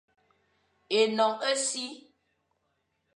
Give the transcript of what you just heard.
Énoñ e si,